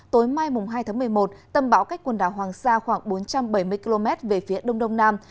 tối mai hai tháng một mươi một tâm bão cách quần đảo hoàng sa khoảng bốn trăm bảy mươi km về phía đông đông nam